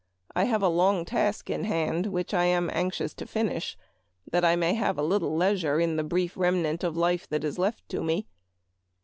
I have a long task in hand which I am anxious to finish, that I may have a little leisure in the brief remnant of life that is left to me.